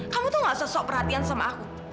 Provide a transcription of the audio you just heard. kamu tuh nggak sesok perhatian sama aku